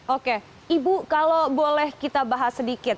oke ibu kalau boleh kita bahas sedikit